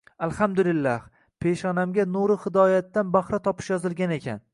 Alhamdulilloh, peshanamga nuri hidoyatdan bahra topish yozilgan ekan